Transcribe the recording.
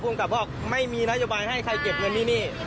ภูมิกับบอกไม่มีนโยบายให้ใครเก็บเงินที่นี่